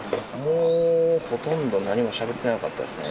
もうほとんど何もしゃべってなかったですね。